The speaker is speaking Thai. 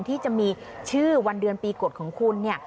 ที่จะมีชื่อวันเดือนปีกฎของคุณเนี่ย